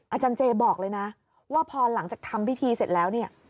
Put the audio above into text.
อาจารย์เจบอกเลยนะว่าพอหลังจากทำพิธีเสร็จแล้วเนี่ย